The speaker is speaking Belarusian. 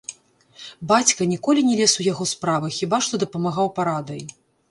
Бацька ніколі не лез у яго справы, хіба што дапамагаў парадай.